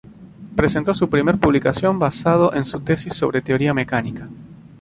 Presentó su primer publicación basado en su tesis sobre teoría mecánica.